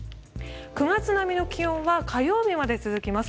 ９月並みの気温は火曜日まで続きます。